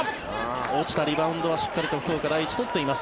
落ちたリバウンドはしっかりと福岡第一、取っています。